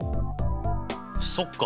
そっか！